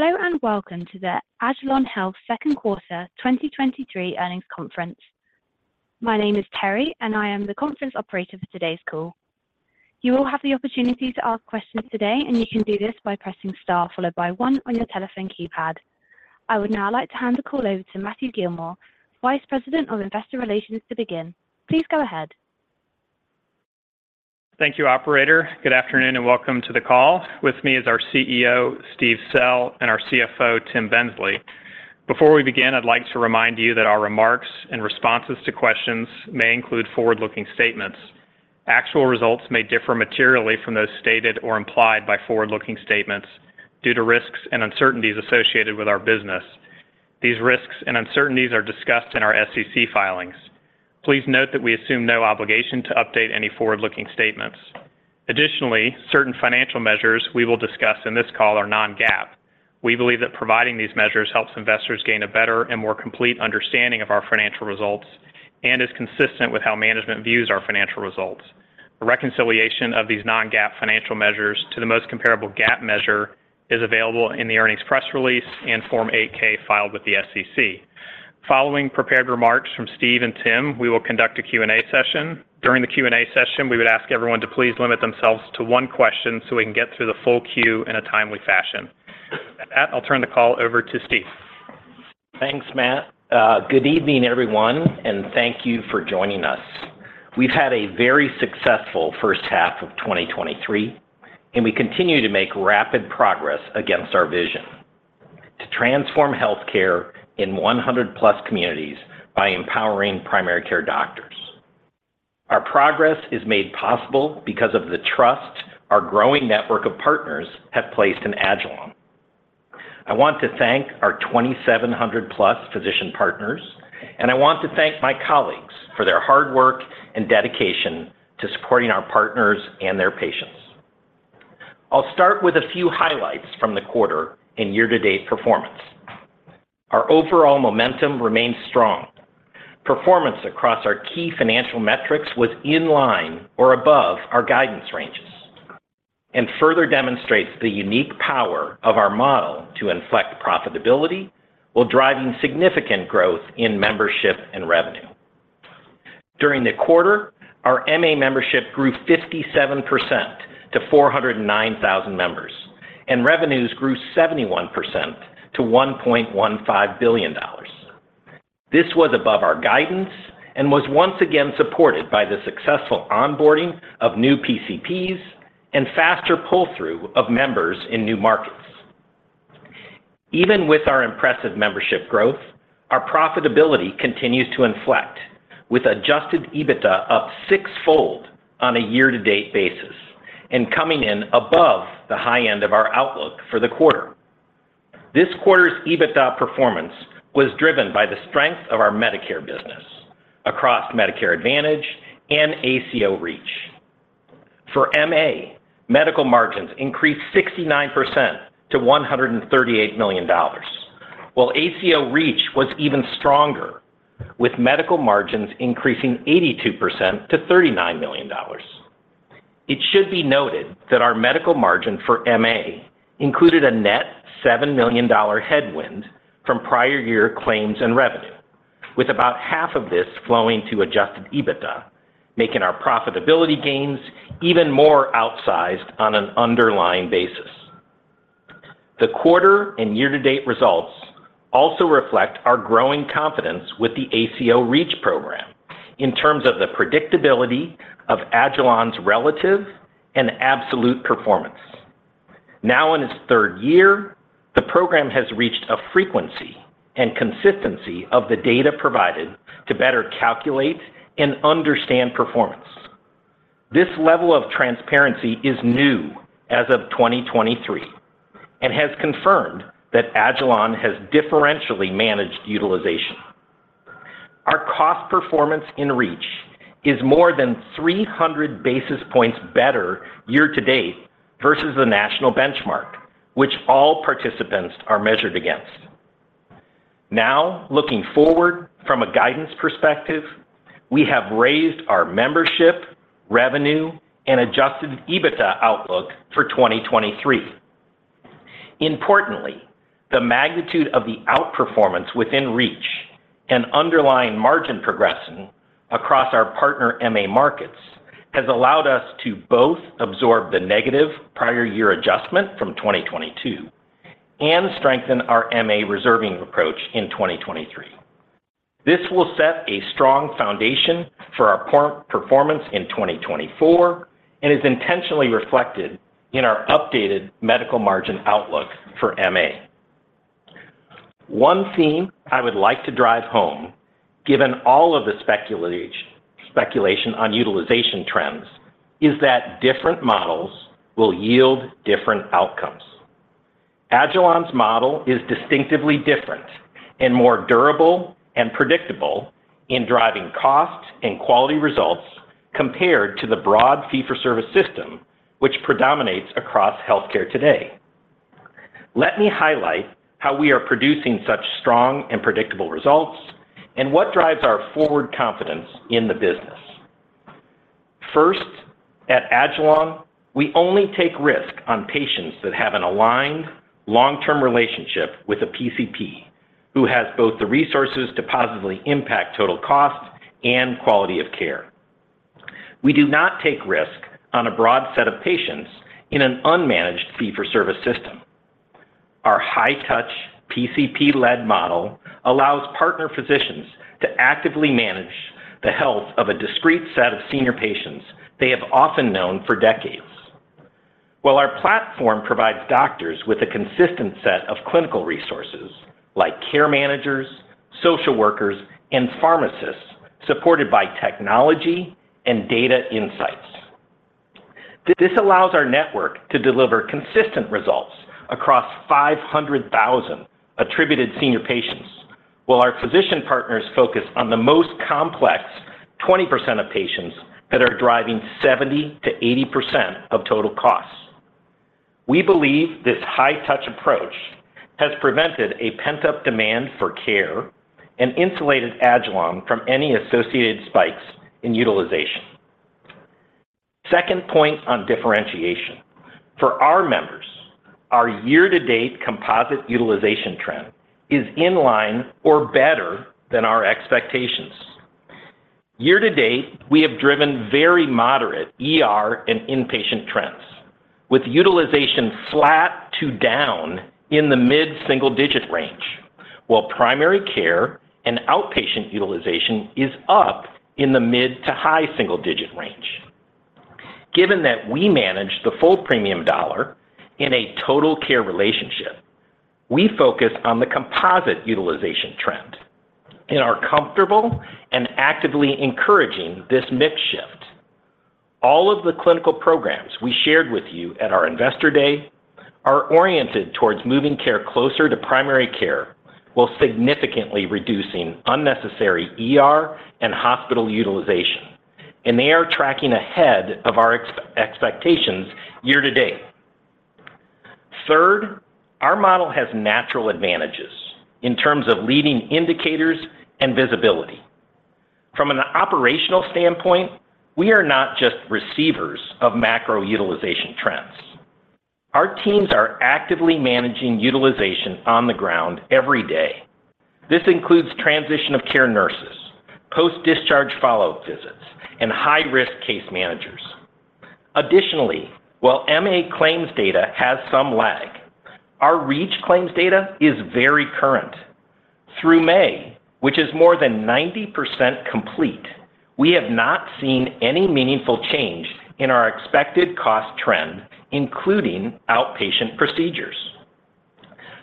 Hello, welcome to the agilon health second quarter 2023 Earnings Conference. My name is Terry, I am the conference operator for today's call. You will have the opportunity to ask questions today, you can do this by pressing star followed by one on your telephone keypad. I would now like to hand the call over to Matthew Gillmor, Vice President, Investor Relations, to begin. Please go ahead. Thank you, operator. Good afternoon, welcome to the call. With me is our CEO, Steve Sell, and our CFO, Tim Bensley. Before we begin, I'd like to remind you that our remarks and responses to questions may include forward-looking statements. Actual results may differ materially from those stated or implied by forward-looking statements due to risks and uncertainties associated with our business. These risks and uncertainties are discussed in our SEC filings. Please note that we assume no obligation to update any forward-looking statements. Certain financial measures we will discuss in this call are non-GAAP. We believe that providing these measures helps investors gain a better and more complete understanding of our financial results and is consistent with how management views our financial results. A reconciliation of these non-GAAP financial measures to the most comparable GAAP measure is available in the earnings press release and Form 8-K filed with the SEC. Following prepared remarks from Steve and Tim, we will conduct a Q&A session. During the Q&A session, we would ask everyone to please limit themselves to one question, so we can get through the full queue in a timely fashion. With that, I'll turn the call over to Steve. Thanks, Matt. good evening, everyone, and thank you for joining us. We've had a very successful first half of 2023, and we continue to make rapid progress against our vision: to transform healthcare in 100+ communities by empowering primary care doctors. Our progress is made possible because of the trust our growing network of partners have placed in agilon health. I want to thank our 2,700+ physician partners, and I want to thank my colleagues for their hard work and dedication to supporting our partners and their patients. I'll start with a few highlights from the quarter and year-to-date performance. Our overall momentum remains strong. Performance across our key financial metrics was in line or above our guidance ranges, and further demonstrates the unique power of our model to inflect profitability, while driving significant growth in membership and revenue. During the quarter, our MA membership grew 57% to 409,000 members. Revenues grew 71% to $1.15 billion. This was above our guidance and was once again supported by the successful onboarding of new PCPs and faster pull-through of members in new markets. Even with our impressive membership growth, our profitability continues to inflect, with Adjusted EBITDA up sixfold on a year-to-date basis and coming in above the high end of our outlook for the quarter. This quarter's EBITDA performance was driven by the strength of our Medicare business across Medicare Advantage and ACO REACH. For MA, medical margins increased 69% to $138 million, while ACO REACH was even stronger, with medical margins increasing 82% to $39 million. It should be noted that our medical margin for MA included a net $7 million headwind from prior year claims and revenue, with about half of this flowing to Adjusted EBITDA, making our profitability gains even more outsized on an underlying basis. The quarter and year-to-date results also reflect our growing confidence with the ACO REACH program in terms of the predictability of agilon's relative and absolute performance. Now in its third year, the program has reached a frequency and consistency of the data provided to better calculate and understand performance. This level of transparency is new as of 2023 and has confirmed that agilon has differentially managed utilization. Our cost performance in REACH is more than 300 basis points better year-to-date versus the national benchmark, which all participants are measured against. Now, looking forward from a guidance perspective, we have raised our membership, revenue, and Adjusted EBITDA outlook for 2023. Importantly, the magnitude of the outperformance within REACH and underlying margin progression across our partner MA markets has allowed us to both absorb the negative prior year adjustment from 2022 and strengthen our MA reserving approach in 2023. This will set a strong foundation for our per-performance in 2024 and is intentionally reflected in our updated medical margin outlook for MA. One theme I would like to drive home, given all of the speculation on utilization trends, is that different models will yield different outcomes. agilon's model is distinctively different and more durable and predictable in driving cost and quality results compared to the broad fee-for-service system, which predominates across healthcare today. Let me highlight how we are producing such strong and predictable results and what drives our forward confidence in the business. First, at agilon, we only take risk on patients that have an aligned long-term relationship with a PCP, who has both the resources to positively impact total cost and quality of care. We do not take risk on a broad set of patients in an unmanaged fee-for-service system. Our high-touch, PCP-led model allows partner physicians to actively manage the health of a discrete set of senior patients they have often known for decades. While our platform provides doctors with a consistent set of clinical resources like care managers, social workers, and pharmacists, supported by technology and data insights. This allows our network to deliver consistent results across 500,000 attributed senior patients, while our physician partners focus on the most complex 20% of patients that are driving 70%-80% of total costs. We believe this high-touch approach has prevented a pent-up demand for care and insulated agilon from any associated spikes in utilization. Second point on differentiation: for our members, our year-to-date composite utilization trend is in line or better than our expectations. Year-to-date, we have driven very moderate ER and inpatient trends, with utilization flat to down in the mid-single-digit range, while primary care and outpatient utilization is up in the mid to high single-digit range. Given that we manage the full premium dollar in a Total Care Relationship, we focus on the composite utilization trend and are comfortable and actively encouraging this mix shift. All of the clinical programs we shared with you at our Investor Day are oriented towards moving care closer to primary care, while significantly reducing unnecessary ER and hospital utilization. They are tracking ahead of our expectations year-to-date. Third, our model has natural advantages in terms of leading indicators and visibility. From an operational standpoint, we are not just receivers of macro utilization trends. Our teams are actively managing utilization on the ground every day. This includes transition of care nurses, post-discharge follow-up visits, and high-risk case managers. Additionally, while MA claims data has some lag, our REACH claims data is very current. Through May, which is more than 90% complete, we have not seen any meaningful change in our expected cost trend, including outpatient procedures.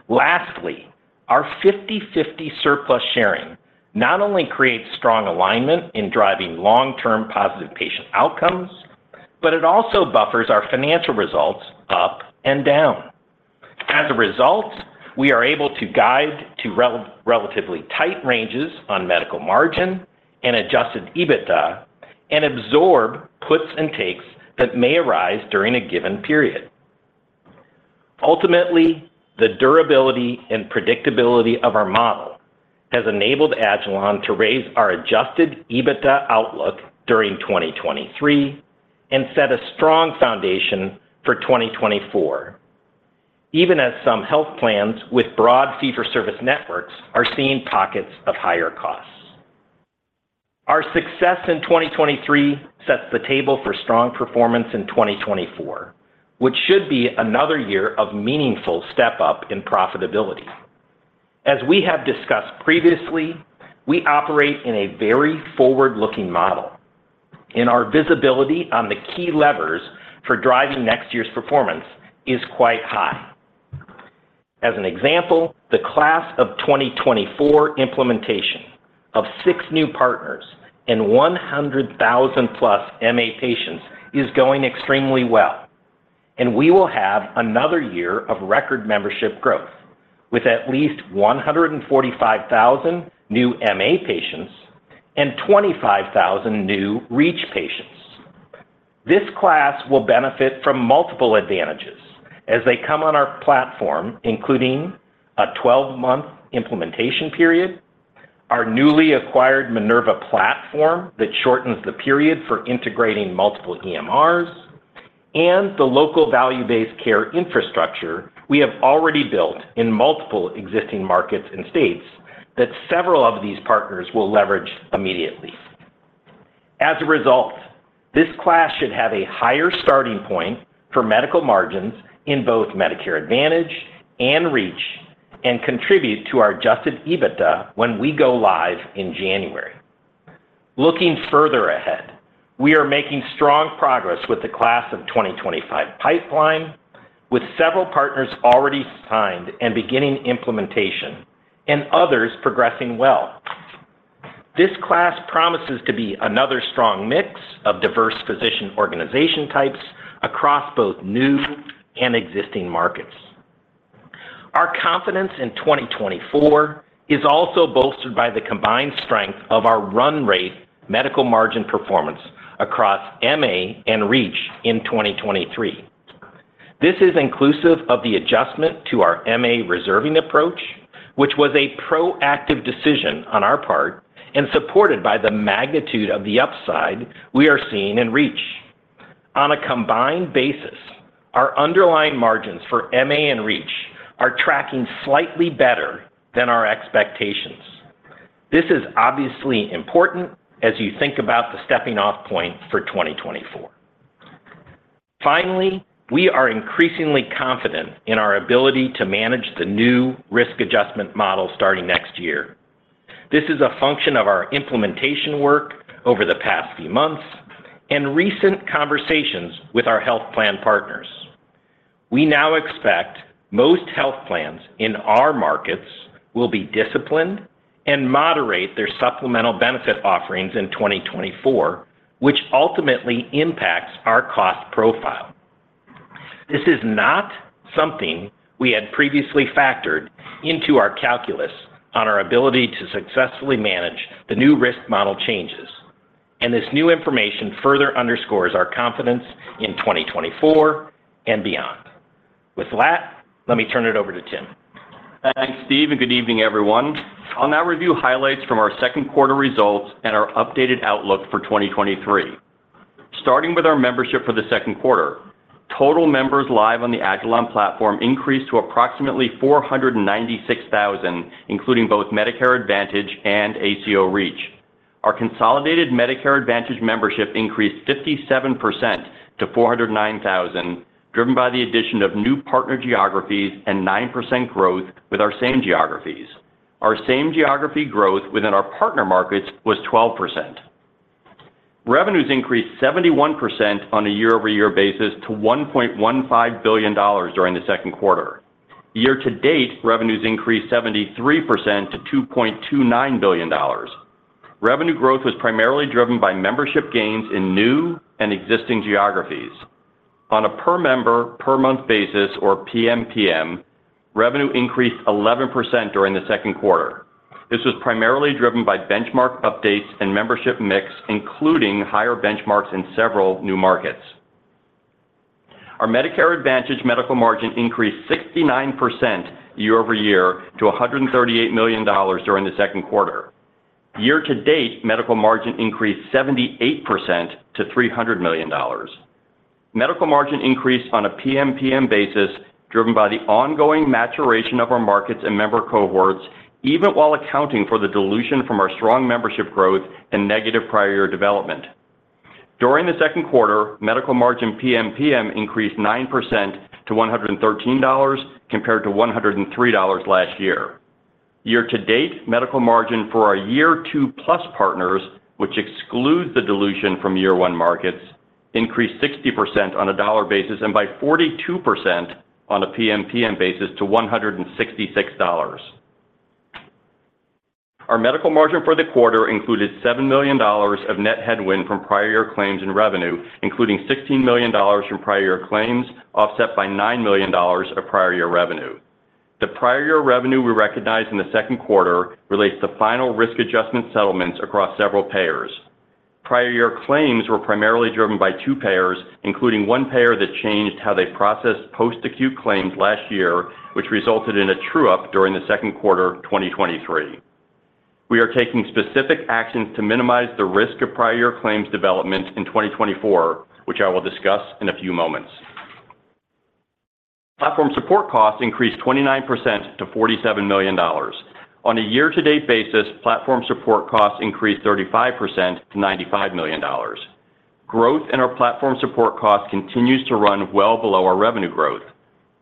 Lastly, our 50/50 surplus sharing not only creates strong alignment in driving long-term positive patient outcomes, but it also buffers our financial results up and down. As a result, we are able to guide to relatively tight ranges on medical margin and Adjusted EBITDA and absorb puts and takes that may arise during a given period. Ultimately, the durability and predictability of our model has enabled agilon to raise our Adjusted EBITDA outlook during 2023 and set a strong foundation for 2024, even as some health plans with broad fee-for-service networks are seeing pockets of higher costs. Our success in 2023 sets the table for strong performance in 2024, which should be another year of meaningful step-up in profitability. As we have discussed previously, we operate in a very forward-looking model, and our visibility on the key levers for driving next year's performance is quite high. As an example, the class of 2024 implementation of six new partners and 100,000+ MA patients is going extremely well, and we will have another year of record membership growth, with at least 145,000 new MA patients and 25,000 new REACH patients. This class will benefit from multiple advantages as they come on our platform, including a 12-month implementation period, our newly acquired Minerva platform that shortens the period for integrating multiple EMRs, and the local value-based care infrastructure we have already built in multiple existing markets and states that several of these partners will leverage immediately. As a result, this class should have a higher starting point for medical margins in both Medicare Advantage and REACH and contribute to our Adjusted EBITDA when we go live in January. Looking further ahead, we are making strong progress with the class of 2025 pipeline, with several partners already signed and beginning implementation, and others progressing well. This class promises to be another strong mix of diverse physician organization types across both new and existing markets. Our confidence in 2024 is also bolstered by the combined strength of our run rate medical margin performance across MA and REACH in 2023. This is inclusive of the adjustment to our MA reserving approach, which was a proactive decision on our part and supported by the magnitude of the upside we are seeing in REACH. On a combined basis, our underlying margins for MA and REACH are tracking slightly better than our expectations. This is obviously important as you think about the stepping-off point for 2024. Finally, we are increasingly confident in our ability to manage the new risk adjustment model starting next year. This is a function of our implementation work over the past few months, and recent conversations with our health plan partners. We now expect most health plans in our markets will be disciplined and moderate their supplemental benefit offerings in 2024, which ultimately impacts our cost profile. This is not something we had previously factored into our calculus on our ability to successfully manage the new risk model changes, and this new information further underscores our confidence in 2024 and beyond. With that, let me turn it over to Tim. Thanks, Steve, good evening, everyone. I'll now review highlights from our second quarter results and our updated outlook for 2023. Starting with our membership for the second quarter, total members live on the agilon platform increased to approximately 496,000, including both Medicare Advantage and ACO REACH. Our consolidated Medicare Advantage membership increased 57% to 409,000, driven by the addition of new partner geographies and 9% growth with our same geographies. Our same geography growth within our partner markets was 12%. Revenues increased 71% on a year-over-year basis to $1.15 billion during the second quarter. Year-to-date, revenues increased 73% to $2.29 billion. Revenue growth was primarily driven by membership gains in new and existing geographies. On a per member per month basis, or PMPM, revenue increased 11% during the second quarter. This was primarily driven by benchmark updates and membership mix, including higher benchmarks in several new markets. Our Medicare Advantage medical margin increased 69% year-over-year to $138 million during the second quarter. Year-to-date, medical margin increased 78% to $300 million. Medical margin increased on a PMPM basis, driven by the ongoing maturation of our markets and member cohorts, even while accounting for the dilution from our strong membership growth and negative prior year development. During the second quarter, medical margin PMPM increased 9% to $113, compared to $103 last year. Year-to-date, medical margin for our year 2+ partners, which excludes the dilution from year 1 markets, increased 60% on a dollar basis and by 42% on a PMPM basis to $166. Our medical margin for the quarter included $7 million of net headwind from prior year claims in revenue, including $16 million from prior year claims, offset by $9 million of prior year revenue. The prior year revenue we recognized in the second quarter relates to final risk adjustment settlements across several payers. Prior year claims were primarily driven by two payers, including one payer that changed how they processed post-acute claims last year, which resulted in a true-up during the second quarter 2023. We are taking specific actions to minimize the risk of prior year claims development in 2024, which I will discuss in a few moments. Platform support costs increased 29% to $47 million. On a year-to-date basis, platform support costs increased 35% to $95 million. Growth in our platform support costs continues to run well below our revenue growth.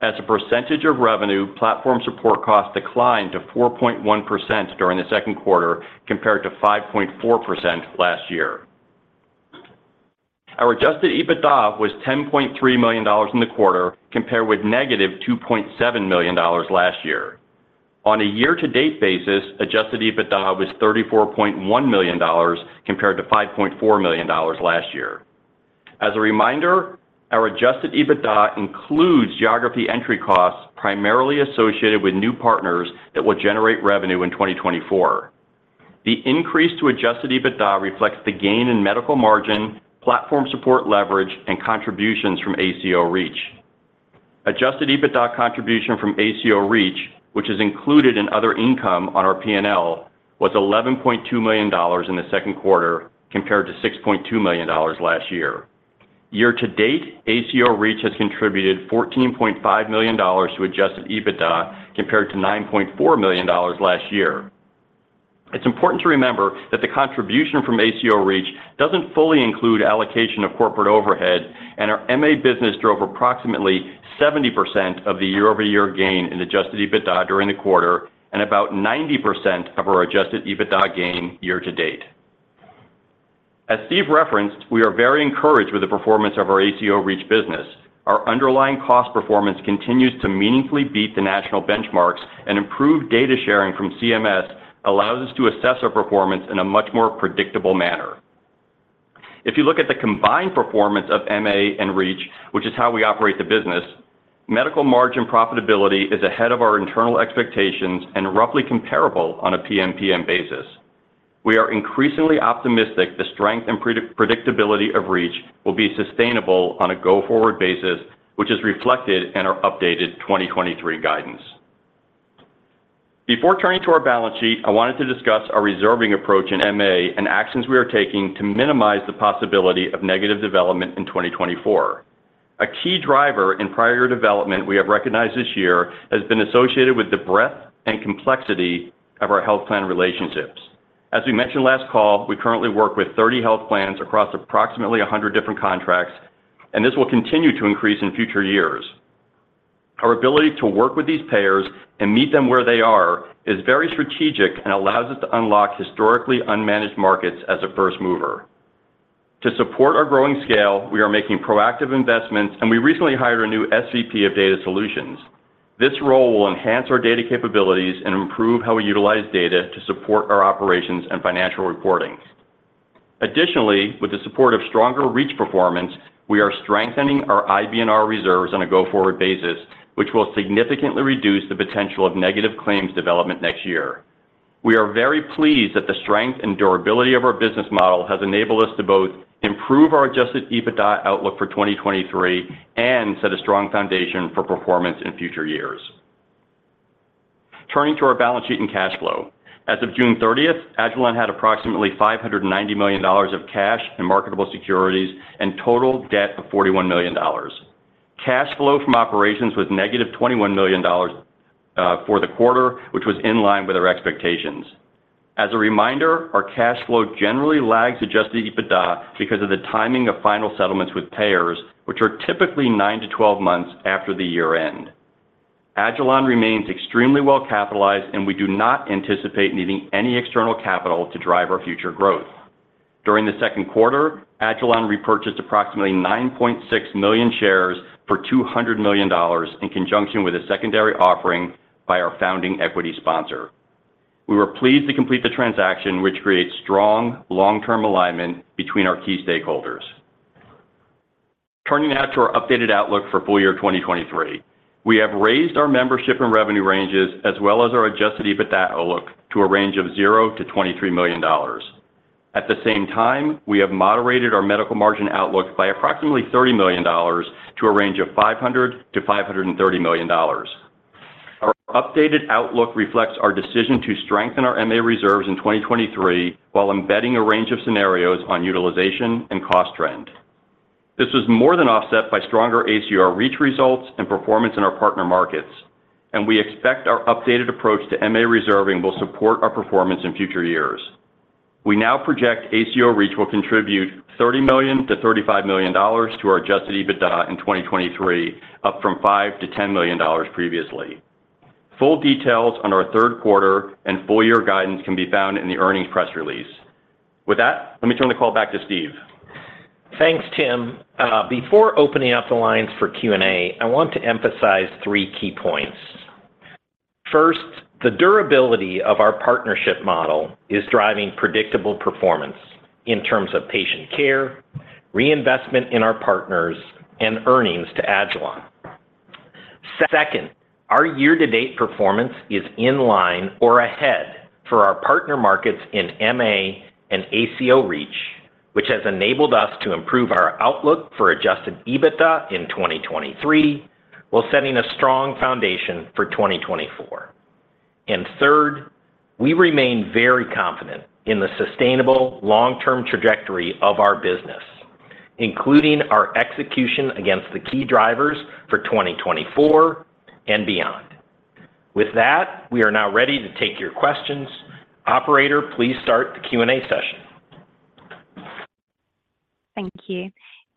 As a percentage of revenue, platform support costs declined to 4.1% during the second quarter, compared to 5.4% last year. Our Adjusted EBITDA was $10.3 million in the quarter, compared with -$2.7 million last year. On a year-to-date basis, Adjusted EBITDA was $34.1 million, compared to $5.4 million last year. As a reminder, our Adjusted EBITDA includes geography entry costs primarily associated with new partners that will generate revenue in 2024. The increase to Adjusted EBITDA reflects the gain in medical margin, platform support leverage, and contributions from ACO REACH. Adjusted EBITDA contribution from ACO REACH, which is included in other income on our P&L, was $11.2 million in the second quarter, compared to $6.2 million last year. Year-to-date, ACO REACH has contributed $14.5 million to Adjusted EBITDA, compared to $9.4 million last year. It's important to remember that the contribution from ACO REACH doesn't fully include allocation of corporate overhead. Our MA business drove approximately 70% of the year-over-year gain in Adjusted EBITDA during the quarter and about 90% of our Adjusted EBITDA gain year-to-date. As Steve referenced, we are very encouraged with the performance of our ACO REACH business. Our underlying cost performance continues to meaningfully beat the national benchmarks, and improved data sharing from CMS allows us to assess our performance in a much more predictable manner. If you look at the combined performance of MA and REACH, which is how we operate the business, medical margin profitability is ahead of our internal expectations and roughly comparable on a PMPM basis. We are increasingly optimistic the strength and predictability of REACH will be sustainable on a go-forward basis, which is reflected in our updated 2023 guidance. Before turning to our balance sheet, I wanted to discuss our reserving approach in MA and actions we are taking to minimize the possibility of negative development in 2024. A key driver in prior development we have recognized this year, has been associated with the breadth and complexity of our health plan relationships. As we mentioned last call, we currently work with 30 health plans across approximately 100 different contracts, this will continue to increase in future years. Our ability to work with these payers and meet them where they are, is very strategic and allows us to unlock historically unmanaged markets as a first mover. To support our growing scale, we are making proactive investments, and we recently hired a new SVP of Data Solutions. This role will enhance our data capabilities and improve how we utilize data to support our operations and financial reporting. Additionally, with the support of stronger REACH performance, we are strengthening our IBNR reserves on a go-forward basis, which will significantly reduce the potential of negative claims development next year. We are very pleased that the strength and durability of our business model has enabled us to both improve our Adjusted EBITDA outlook for 2023, and set a strong foundation for performance in future years. Turning to our balance sheet and cash flow. As of June 30th, agilon had approximately $590 million of cash and marketable securities, and total debt of $41 million. Cash flow from operations was -$21 million for the quarter, which was in line with our expectations. As a reminder, our cash flow generally lags Adjusted EBITDA because of the timing of final settlements with payers, which are typically nine to 12 months after the year-end. agilon remains extremely well capitalized, and we do not anticipate needing any external capital to drive our future growth. During the second quarter, agilon repurchased approximately 9.6 million shares for $200 million, in conjunction with a secondary offering by our founding equity sponsor. We were pleased to complete the transaction, which creates strong, long-term alignment between our key stakeholders. Turning now to our updated outlook for full year 2023. We have raised our membership and revenue ranges, as well as our Adjusted EBITDA outlook to a range of $0-$23 million. At the same time, we have moderated our medical margin outlook by approximately $30 million, to a range of $500 million-$530 million. Our updated outlook reflects our decision to strengthen our MA reserves in 2023, while embedding a range of scenarios on utilization and cost trend. This was more than offset by stronger ACO REACH results and performance in our partner markets. We expect our updated approach to MA reserving will support our performance in future years. We now project ACO REACH will contribute $30 million-$35 million to our Adjusted EBITDA in 2023, up from $5 million-$10 million previously. Full details on our third quarter and full year guidance can be found in the earnings press release. With that, let me turn the call back to Steve. Thanks, Tim. Before opening up the lines for Q&A, I want to emphasize three key points. First, the durability of our partnership model is driving predictable performance in terms of patient care, reinvestment in our partners, and earnings to agilon. Second, our year-to-date performance is in line or ahead for our partner markets in MA and ACO REACH, which has enabled us to improve our outlook for Adjusted EBITDA in 2023, while setting a strong foundation for 2024. Third, we remain very confident in the sustainable long-term trajectory of our business, including our execution against the key drivers for 2024 and beyond. With that, we are now ready to take your questions. Operator, please start the Q&A session. Thank you.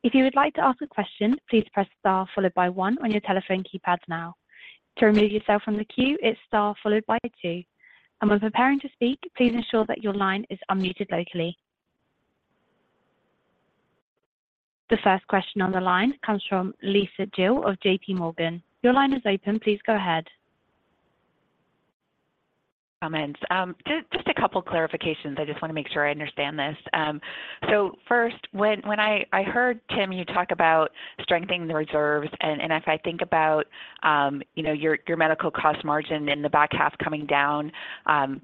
If you would like to ask a question, please press star followed by one on your telephone keypad now. To remove yourself from the queue, it's star followed by two, when preparing to speak, please ensure that your line is unmuted locally. The first question on the line comes from Lisa Gill of JPMorgan. Your line is open. Please go ahead. Comments. Just a couple clarifications. I just wanna make sure I understand this. First, when I heard, Tim, you talk about strengthening the reserves, and if I think about, you know, your medical cost margin in the back half coming down, on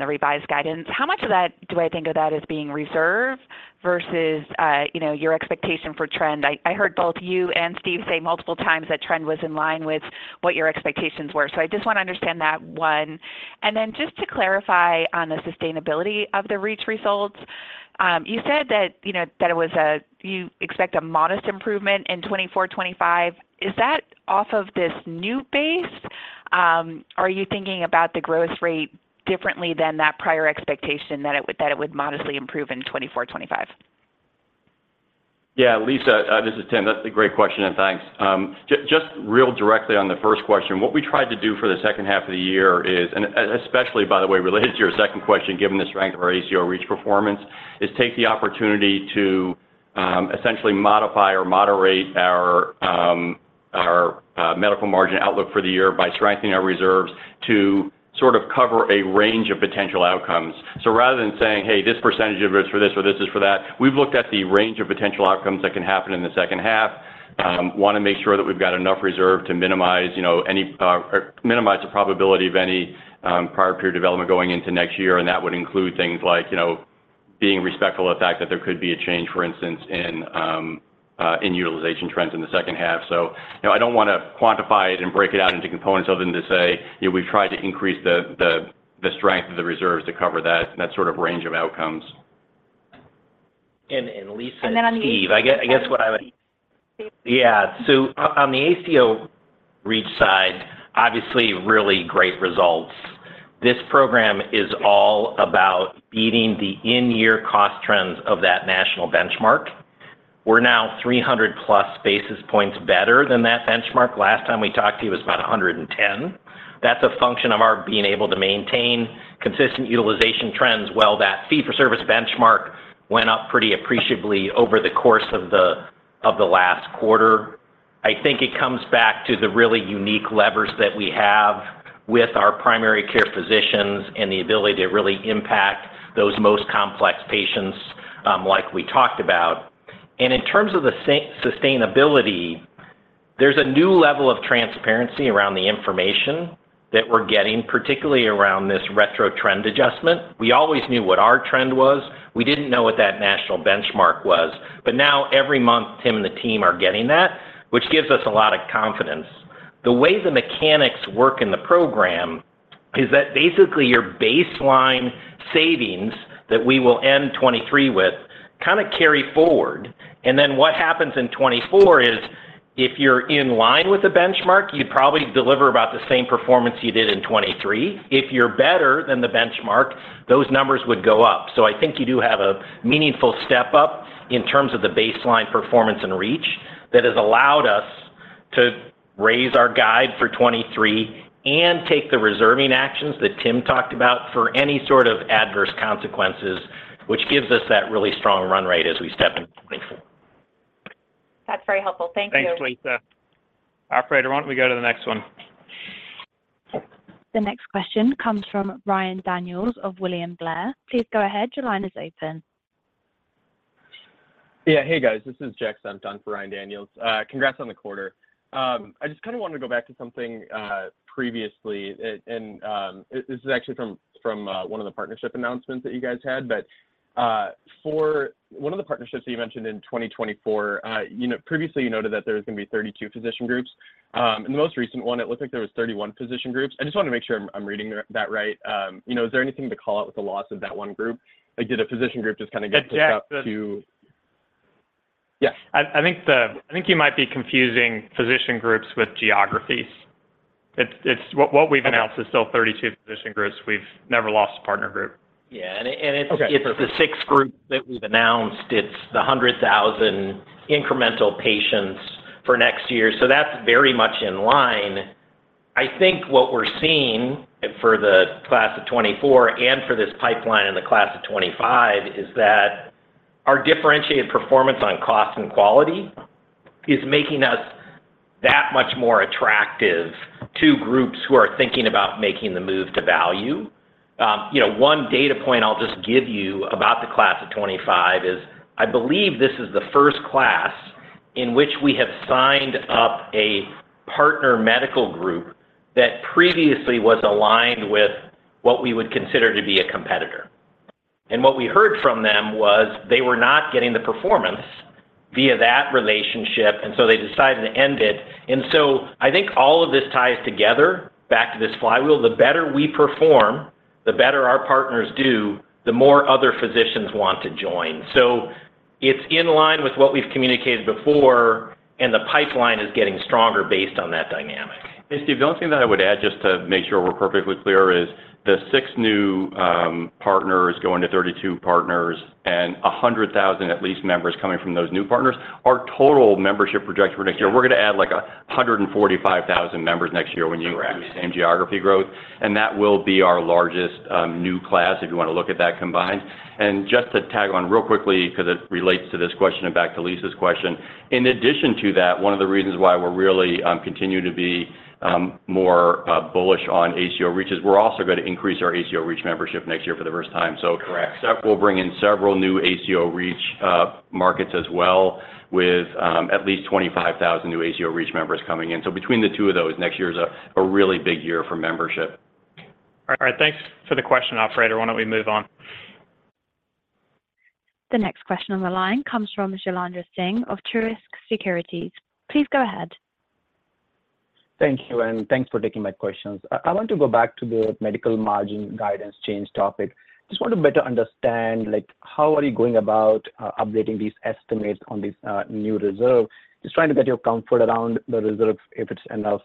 the revised guidance, how much of that do I think of that as being reserved versus, you know, your expectation for trend? I heard both you and Steve say multiple times that trend was in line with what your expectations were. I just want to understand that one. Then just to clarify on the sustainability of the REACH results, you said that, you know, you expect a modest improvement in 2024, 2025. Is that off of this new base? Are you thinking about the growth rate differently than that prior expectation that it would, that it would modestly improve in 2024, 2025? Yeah, Lisa, this is Tim. That's a great question, and thanks. Just real directly on the first question. What we tried to do for the second half of the year is, and especially, by the way, related to your second question, given the strength of our ACO REACH performance, is take the opportunity to essentially modify or moderate our medical margin outlook for the year by strengthening our reserves to sort of cover a range of potential outcomes. Rather than saying, "Hey, this % is for this or this is for that," We've looked at the range of potential outcomes that can happen in the second half, wanna make sure that we've got enough reserve to minimize, you know, any or minimize the probability of any prior period development going into next year. That would include things like, you know, being respectful of the fact that there could be a change, for instance, in utilization trends in the second half. You know, I don't wanna quantify it and break it out into components other than to say, you know, we've tried to increase the, the, the strength of the reserves to cover that, that sort of range of outcomes. Lisa— on the— Steve, I guess what I would. Steve. Yeah. On the ACO REACH side, obviously, really great results. This program is all about beating the in-year cost trends of that national benchmark. We're now 300+ basis points better than that benchmark. Last time we talked to you, it was about 110. That's a function of our being able to maintain consistent utilization trends, while that fee-for-service benchmark went up pretty appreciably over the course of the last quarter. I think it comes back to the really unique levers that we have with our primary care physicians and the ability to really impact those most complex patients, like we talked about. In terms of the sustainability, there's a new level of transparency around the information that we're getting, particularly around this retro trend adjustment. We always knew what our trend was. We didn't know what that national benchmark was. Now, every month, Tim and the team are getting that, which gives us a lot of confidence. The way the mechanics work in the program is that basically, your baseline savings that we will end 2023 with, kinda carry forward. Then what happens in 2024 is, if you're in line with the benchmark, you'd probably deliver about the same performance you did in 2023. If you're better than the benchmark, those numbers would go up. I think you do have a meaningful step up in terms of the baseline performance and REACH, that has allowed us to raise our guide for 2023, and take the reserving actions that Tim talked about, for any sort of adverse consequences, which gives us that really strong run rate as we step into 2024. That's very helpful. Thank you. Thanks, Lisa. operator, why don't we go to the next one? The next question comes from Ryan Daniels of William Blair. Please go ahead. Your line is open. Yeah. Hey, guys, this is Jack Senft for Ryan Daniels. Congrats on the quarter. I just kinda wanted to go back to something previously, and this, this is actually from, from one of the partnership announcements that you guys had. For one of the partnerships that you mentioned in 2024, you know, previously, you noted that there was gonna be 32 physician groups. In the most recent one, it looked like there was 31 physician groups. I just wanna make sure I'm, I'm reading that, that right. You know, is there anything to call out with the loss of that one group? Like, did a physician group just kinda get picked up to— Jack. Yeah. I think you might be confusing physician groups with geographies. What we've announced is still 32 physician groups. We've never lost a partner group. Yeah, it's— Okay. —it's the six groups that we've announced. It's the 100,000 incremental patients for next year, so that's very much in line. I think what we're seeing for the class of 2024 and for this pipeline in the class of 2025, is that our differentiated performance on cost and quality is making us that much more attractive to groups who are thinking about making the move to value. You know, one data point I'll just give you about the class of 2025 is, I believe this is the first class in which we have signed up a partner medical group that previously was aligned with what we would consider to be a competitor. What we heard from them was, they were not getting the performance via that relationship, and so they decided to end it. I think all of this ties together back to this flywheel. The better we perform, the better our partners do, the more other physicians want to join. It's in line with what we've communicated before, and the pipeline is getting stronger based on that dynamic. Steve, the only thing that I would add, just to make sure we're perfectly clear, is the six new partners going to 32 partners, and 100,000, at least, members coming from those new partners. Our total membership projects for next year, we're gonna add, like, 145,000 members next year when you— Correct. —include the same geography growth, and that will be our largest, new class, if you wanna look at that combined. Just to tag on real quickly, 'cause it relates to this question and back to Lisa's question. In addition to that, one of the reasons why we're really continuing to be more bullish on ACO REACH, is we're also gonna increase our ACO REACH membership next year for the first time so— Correct. —that will bring in several new ACO REACH markets as well, with at least 25,000 new ACO REACH members coming in. Between the two of those, next year is a really big year for membership. All right. Thanks for the question, operator. Why don't we move on? The next question on the line comes from Jailendra Singh of Truist Securities. Please go ahead. Thank you, and thanks for taking my questions. I want to go back to the medical margin guidance change topic. Just want to better understand, like, how are you going about updating these estimates on this new reserve? Just trying to get your comfort around the reserve, if it's enough.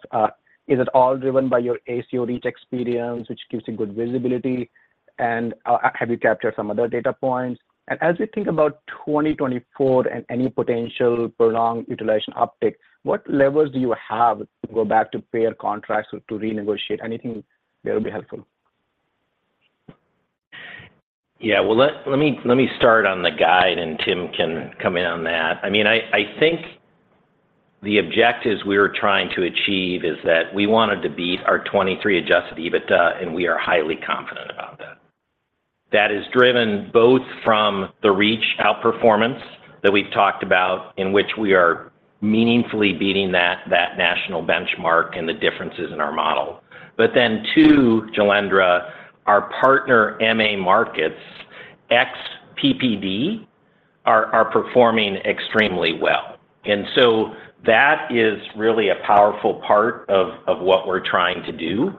Is it all driven by your ACO REACH experience, which gives you good visibility? Have you captured some other data points? As we think about 2024 and any potential prolonged utilization uptick, what levers do you have to go back to payer contracts to renegotiate? Anything that will be helpful. Yeah, well, let me, let me start on the guide. Tim can come in on that. I mean, I think the objectives we were trying to achieve is that we wanted to beat our 2023 Adjusted EBITDA. We are highly confident of that. That is driven both from the REACH outperformance that we've talked about, in which we are meaningfully beating that national benchmark and the differences in our model. But then two, Jailendra, our partner MA markets, ex-PPD, are performing extremely well. That is really a powerful part of what we're trying to do.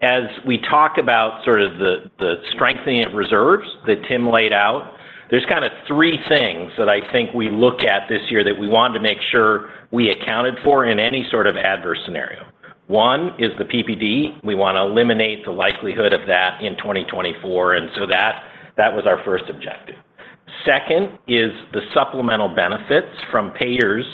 As we talk about sort of the strengthening of reserves that Tim laid out, there's kind of three things that I think we look at this year that we wanted to make sure we accounted for in any sort of adverse scenario. One is the PPD. We wanna eliminate the likelihood of that in 2024, and so that, that was our first objective. Second is the supplemental benefits from payers,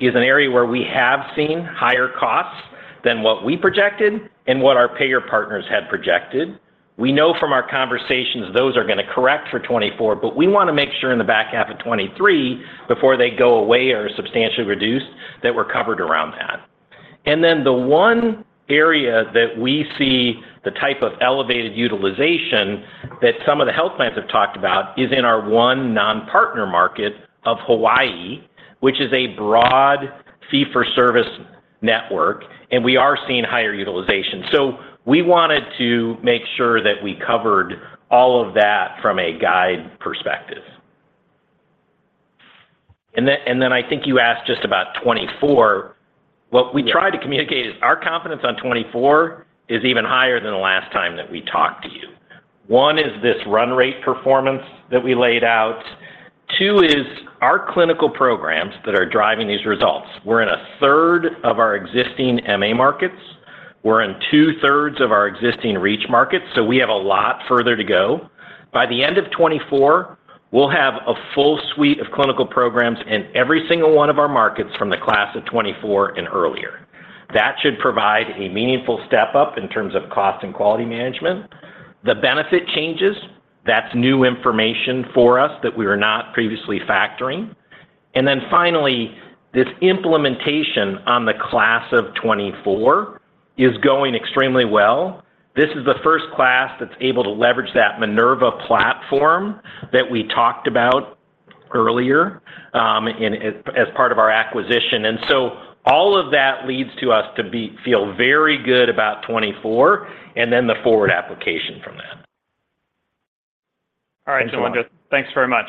is an area where we have seen higher costs than what we projected and what our payer partners had projected. We know from our conversations, those are gonna correct for 2024. We wanna make sure in the back half of 2023, before they go away or are substantially reduced, that we're covered around that. Then, the one area that we see the type of elevated utilization that some of the health plans have talked about, is in our one non-partner market of Hawaii, which is a broad fee-for-service network, and we are seeing higher utilization. We wanted to make sure that we covered all of that from a guidance perspective and then I think you asked just about 2024. What we tried to communicate is our confidence on 2024 is even higher than the last time that we talked to you. One is this run rate performance that we laid out. Two is our clinical programs that are driving these results. We're in a third of our existing MA markets. We're in two-thirds of our existing REACH markets, so we have a lot further to go. By the end of 2024, we'll have a full suite of clinical programs in every single one of our markets from the class of 2024 and earlier. That should provide a meaningful step up in terms of cost and quality management. The benefit changes, that's new information for us that we were not previously factoring. finally, this implementation on the class of 2024 is going extremely well. This is the first class that's able to leverage that Minerva platform that we talked about earlier, as part of our acquisition. All of that leads to us to feel very good about 2024, and then the forward application from that. All right, Jailendra. Thanks very much.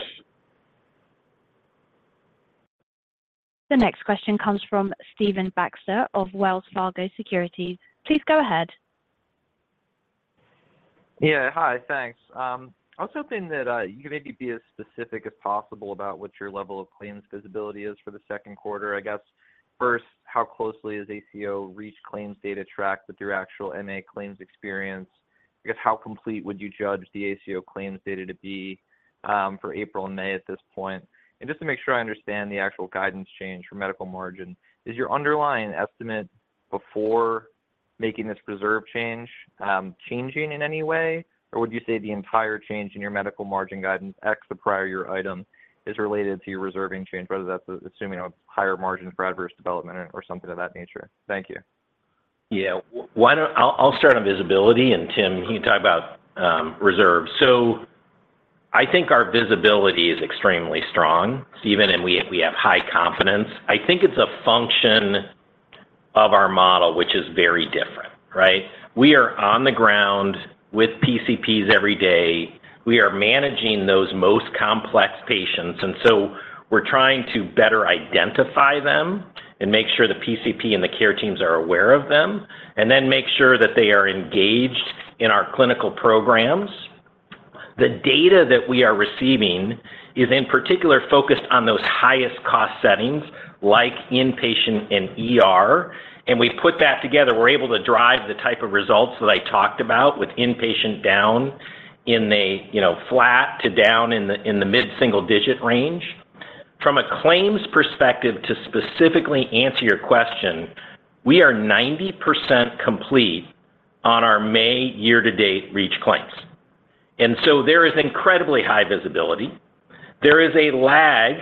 The next question comes from Stephen Baxter of Wells Fargo Securities. Please go ahead. Yeah. Hi, thanks. I was hoping that you could maybe be as specific as possible about what your level of claims visibility is for the second quarter, I guess. How closely is ACO REACH claims data tracked with your actual MA claims experience? I guess, how complete would you judge the ACO claims data to be for April and May at this point? Just to make sure I understand the actual guidance change for medical margin, is your underlying estimate before making this reserve change changing in any way? Would you say the entire change in your medical margin guidance, ex the prior year item, is related to your reserving change, whether that's assuming a higher margin for adverse development or something of that nature? Thank you. Yeah. Why don't I'll start on visibility, and Tim, you can talk about reserve. I think our visibility is extremely strong, Stephen, and we, we have high confidence. I think it's a function of our model, which is very different, right? We are on the ground with PCPs every day. We are managing those most complex patients. We're trying to better identify them and make sure the PCP and the care teams are aware of them. Then make sure that they are engaged in our clinical programs. The data that we are receiving is, in particular, focused on those highest cost settings, like inpatient and ER. We put that together. We're able to drive the type of results that I talked about with inpatient down in a, you know, flat to down in the mid-single digit range. From a claims perspective, to specifically answer your question, we are 90% complete on our May year-to-date REACH claims. There is incredibly high visibility. There is a lag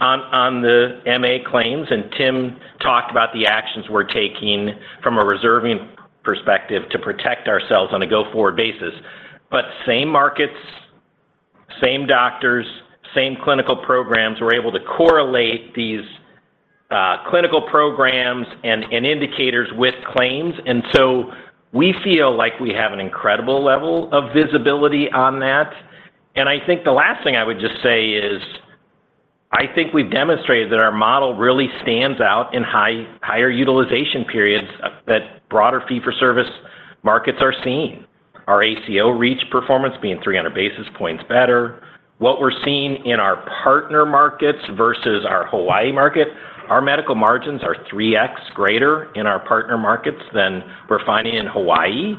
on the MA claims, and Tim talked about the actions we're taking from a reserving perspective to protect ourselves on a go-forward basis. Same markets, same doctors, same clinical programs, we're able to correlate these clinical programs and indicators with claims. We feel like we have an incredible level of visibility on that. I think the last thing I would just say is, I think we've demonstrated that our model really stands out in higher utilization periods that broader fee-for-service markets are seeing. Our ACO REACH performance being 300 basis points better. What we're seeing in our partner markets versus our Hawaii market, our medical margins are 3x greater in our partner markets than we're finding in Hawaii.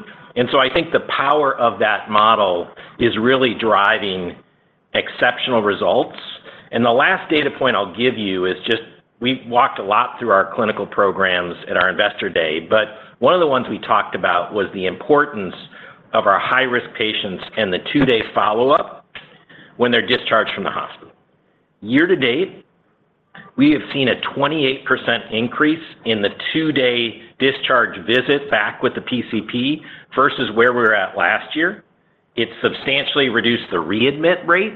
So I think the power of that model is really driving exceptional results. The last data point I'll give you is We walked a lot through our clinical programs at our Investor Day, but one of the ones we talked about was the importance of our high-risk patients and the two-day follow-up when they're discharged from the hospital. Year-to-date, we have seen a 28% increase in the two-day discharge visit back with the PCP, versus where we were at last year. It's substantially reduced the readmit rate,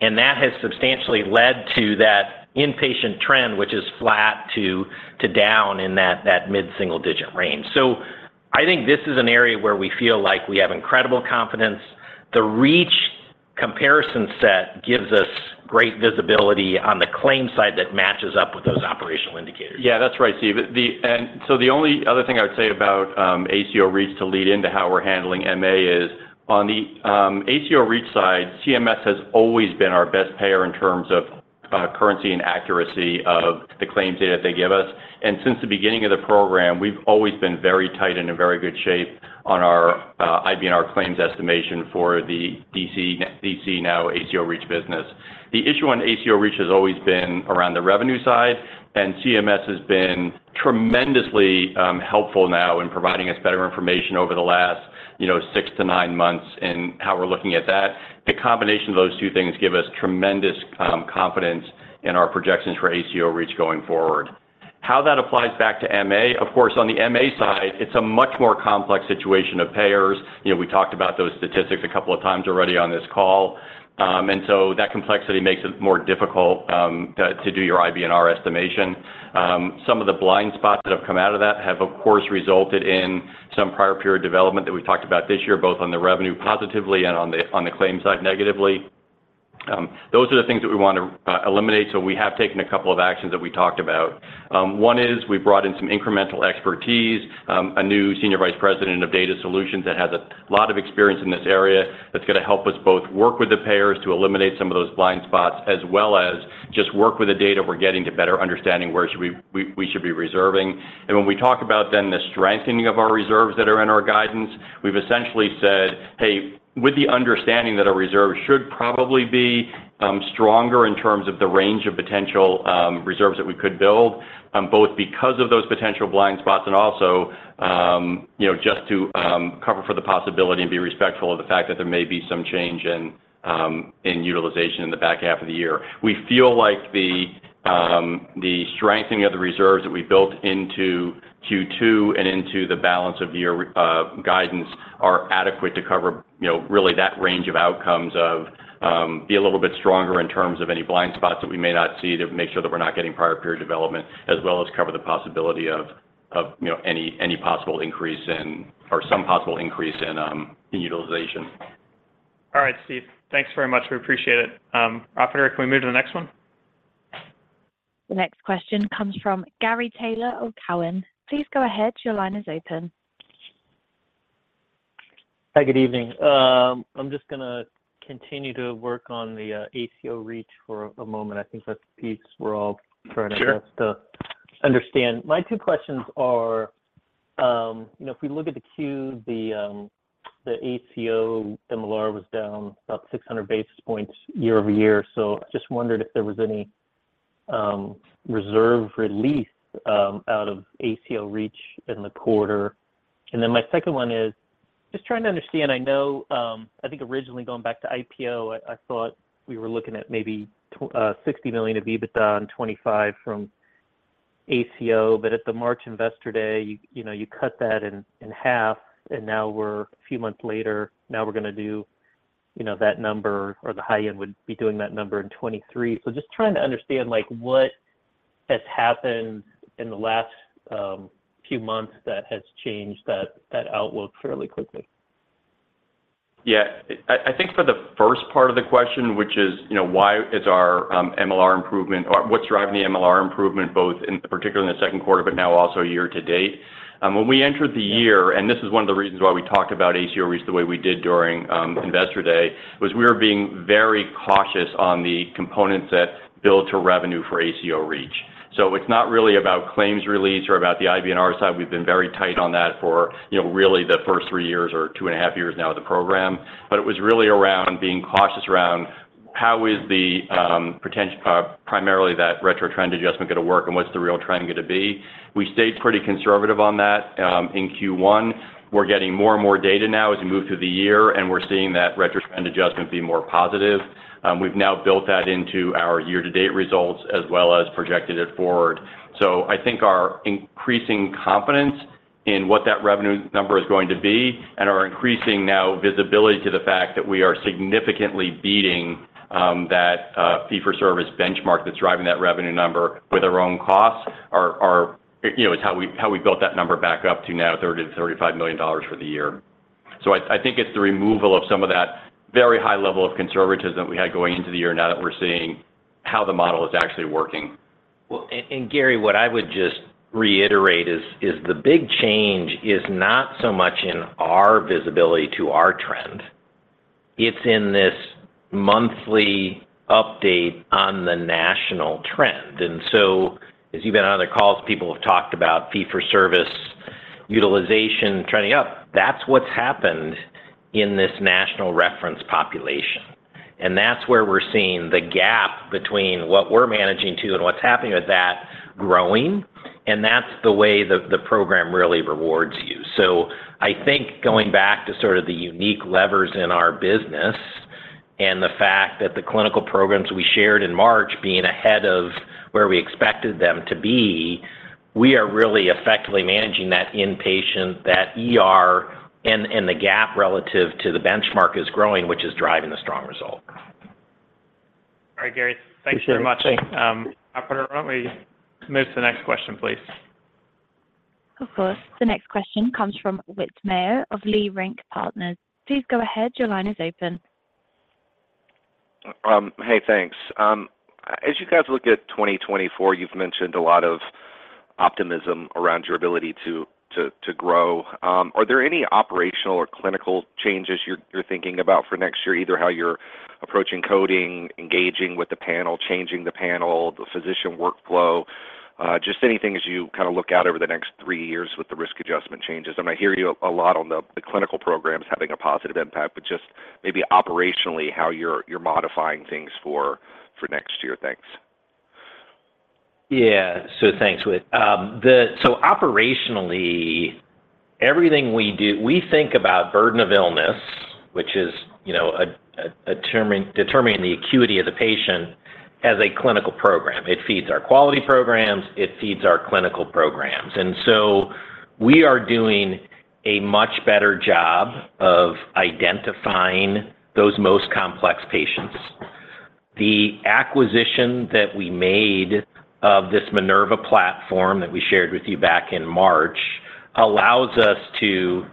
and that has substantially led to that inpatient trend, which is flat to down in that mid-single digit range. I think this is an area where we feel like we have incredible confidence. The ACO REACH comparison set gives us great visibility on the claim side that matches up with those operational indicators. Yeah, that's right, Steve. The only other thing I would say about ACO REACH to lead into how we're handling MA is, on the ACO REACH side, CMS has always been our best payer in terms of currency and accuracy of the claims data that they give us. Since the beginning of the program, we've always been very tight and in very good shape on our IBNR claims estimation for the DC, DC now ACO REACH business. The issue on ACO REACH has always been around the revenue side, CMS has been tremendously helpful now in providing us better information over the last, you know, six to nine months and how we're looking at that. The combination of those two things give us tremendous confidence in our projections for ACO REACH going forward. How that applies back to MA, of course, on the MA side, it's a much more complex situation of payers. You know, we talked about those statistics a couple of times already on this call. That complexity makes it more difficult, to do your IBNR estimation. Some of the blind spots that have come out of that have, of course, resulted in some prior period development that we talked about this year, both on the revenue positively and on the, on the claims side, negatively. Those are the things that we want to, eliminate, so we have taken a couple of actions that we talked about. One is we brought in some incremental expertise, a new Senior Vice President of Data Solutions that has a lot of experience in this area, that's gonna help us both work with the payers to eliminate some of those blind spots, as well as just work with the data we're getting to better understanding where we should be reserving. When we talk about then the strengthening of our reserves that are in our guidance, we've essentially said, Hey, with the understanding that our reserves should probably be stronger in terms of the range of potential reserves that we could build, both because of those potential blind spots and also, you know, just to cover for the possibility and be respectful of the fact that there may be some change in utilization in the back half of the year. We feel like the strengthening of the reserves that we built into Q2 and into the balance of year guidance are adequate to cover, you know, really that range of outcomes of be a little bit stronger in terms of any blind spots that we may not see, to make sure that we're not getting prior period development, as well as cover the possibility of, of, you know, any, any possible increase in or some possible increase in utilization. All right, Stephen, thanks very much. We appreciate it. Operator, can we move to the next 1? The next question comes from Gary Taylor of Cowen. Please go ahead, your line is open. Hi, good evening. I'm just gonna continue to work on the ACO REACH for a moment. I think that's the piece we're all trying our best— Sure. —to understand. My two questions are, you know, if we look at the Q, the, the ACO MLR was down about 600 basis points year-over-year. I just wondered if there was any reserve release out of ACO REACH in the quarter? My second one is, just trying to understand, I know, I think originally going back to IPO, I, I thought we were looking at maybe $60 million of EBITDA and $25 million from ACO. At the March Investor Day, you know, you cut that in, in half, and now we're a few months later, now we're gonna do, you know, that number, or the high end would be doing that number in 2023. Just trying to understand, like, what has happened in the last few months that has changed that, that outlook fairly quickly. Yeah. I, I think for the first part of the question, which is, you know, why is our MLR improvement or what's driving the MLR improvement, both in particular in the second quarter, but now also year-to-date? When we entered the year, and this is one of the reasons why we talked about ACO REACH the way we did during Investor Day, was we were being very cautious on the components that build to revenue for ACO REACH. It's not really about claims release or about the IBNR side. We've been very tight on that for, you know, really the first three years or two and a half years now of the program. It was really around being cautious around how is the primarily that retro trend adjustment gonna work and what's the real trend gonna be? We stayed pretty conservative on that in Q1. We're getting more and more data now as we move through the year, we're seeing that retro trend adjustment be more positive. We've now built that into our year-to-date results, as well as projected it forward. I think our increasing confidence in what that revenue number is going to be and our increasing now visibility to the fact that we are significantly beating that fee-for-service benchmark that's driving that revenue number with our own costs, are. You know, it's how we, how we built that number back up to now $30 million-$35 million for the year. I, I think it's the removal of some of that very high level of conservatism we had going into the year, now that we're seeing how the model is actually working. Well, Gary, what I would just reiterate is, is the big change is not so much in our visibility to our trend. It's in this monthly update on the national trend. So, as you've been on other calls, people have talked about fee-for-service utilization trending up. That's what's happened in this national reference population, and that's where we're seeing the gap between what we're managing to and what's happening with that growing. That's the way the, the program really rewards you. I think going back to sort of the unique levers in our business, and the fact that the clinical programs we shared in March being ahead of where we expected them to be, we are really effectively managing that inpatient, that ER, and the gap relative to the benchmark is growing, which is driving the strong result. All right, Gary, thank you very much. Operator, why don't we move to the next question, please? Of course. The next question comes from Whit Mayo of Leerink Partners. Please go ahead, your line is open. Hey, thanks. As you guys look at 2024, you've mentioned a lot of optimism around your ability to grow. Are there any operational or clinical changes you're thinking about for next year? Either how you're approaching coding, engaging with the panel, changing the panel, the physician workflow, just anything as you kind of look out over the next three years with the risk adjustment changes. I mean, I hear you a lot on the clinical programs having a positive impact, but just maybe operationally, how you're modifying things for next year. Thanks. Yeah, thanks, Whit. operationally, everything we do, we think about burden of illness, which is, you know, determining the acuity of the patient as a clinical program. It feeds our quality programs, it feeds our clinical programs. We are doing a much better job of identifying those most complex patients. The acquisition that we made of this Minerva platform, that we shared with you back in March, allows us to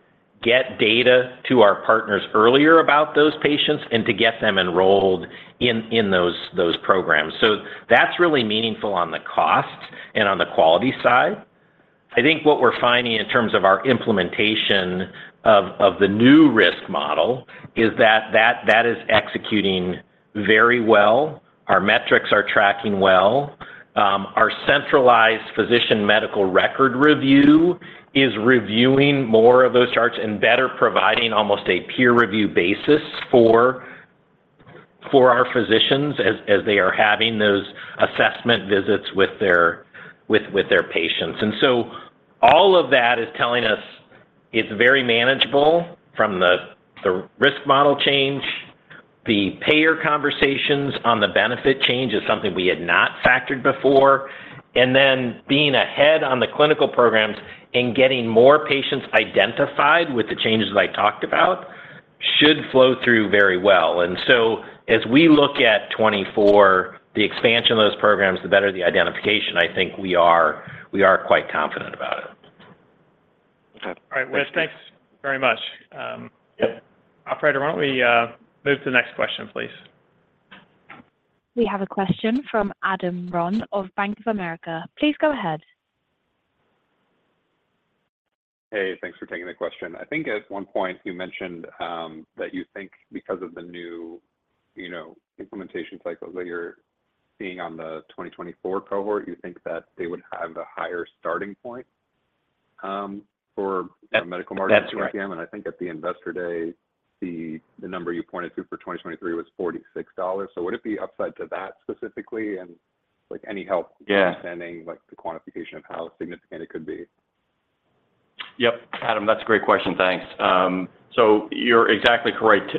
get data to our partners earlier about those patients and to get them enrolled in those programs. That's really meaningful on the cost and on the quality side. I think what we're finding in terms of our implementation of the new risk model is that, that is executing very well. Our metrics are tracking well, our centralized physician medical record review is reviewing more of those charts and better providing almost a peer review basis for our physicians as they are having those assessment visits with their patients. All of that is telling us it's very manageable from the risk model change, the payer conversations on the benefit change is something we had not factored before, and then being ahead on the clinical programs and getting more patients identified with the changes I talked about, should flow through very well. As we look at 2024, the expansion of those programs, the better the identification, I think we are, we are quite confident about it. Okay. All right, Whit, thanks very much. Operator, why don't we move to the next question, please? We have a question from Adam Ron of Bank of America. Please go ahead. Hey, thanks for taking the question. I think at one point you mentioned, that you think because of the new, you know, implementation cycles that you're seeing on the 2024 cohort, you think that they would have a higher starting point or medical margin PMPM. That's right. I think at the Investor Day, the number you pointed to for 2023 was $46. Would it be upside to that specifically? Like, any help— Yeah —understanding, like, the quantification of how significant it could be? Yep. Adam, that's a great question, thanks. You're exactly correct,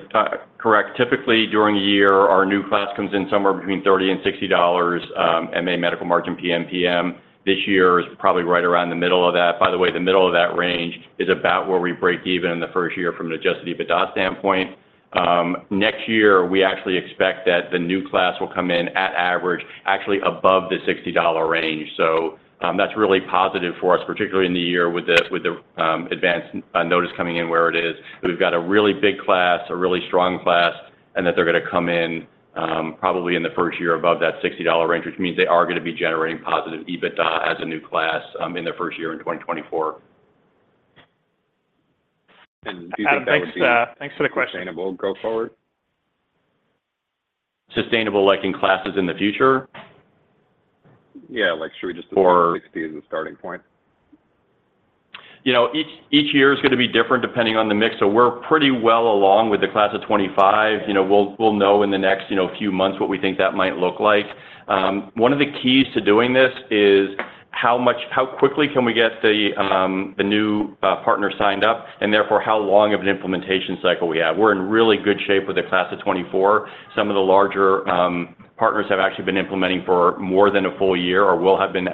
correct. Typically, during a year, our new class comes in somewhere between $30-$60 MA medical margin PMPM. This year is probably right around the middle of that. By the way, the middle of that range is about where we break even in the first year from an Adjusted EBITDA standpoint. Next year, we actually expect that the new class will come in at average, actually above the $60 range. That's really positive for us, particularly in the year with the, with the, advanced notice coming in where it is. We've got a really big class, a really strong class, and that they're gonna come in, probably in the first year above that $60 range, which means they are gonna be generating positive EBITDA as a new class, in their first year in 2024. Adam, thanks, thanks for the question. Sustainable go forward? Sustainable, like in classes in the future? Yeah, like, should we just— Or— —16 as a starting point? You know, each, each year is gonna be different depending on the mix, so we're pretty well along with the class of 2025. You know, we'll, we'll know in the next, you know, few months what we think that might look like. One of the keys to doing this is how quickly can we get the new partner signed up, and therefore, how long of an implementation cycle we have. We're in really good shape with the class of 2024. Some of the larger partners have actually been implementing for more than a full year or will have been